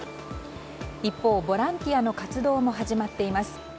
一方、ボランティアの活動も始まっています。